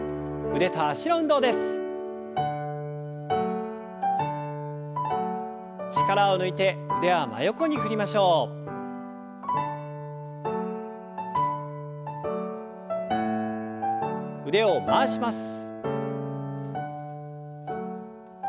腕を回します。